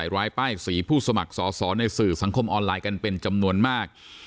รายป้ายสีผู้สมัครสอสอในสื่อสังคมออนไลน์กันเป็นจำนวนมาก